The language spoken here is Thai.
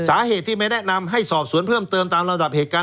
สาเหตุที่ไม่แนะนำให้สอบสวนเพิ่มเติมตามระดับเหตุการณ์